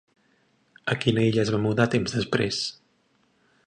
A quina illa es va mudar temps després?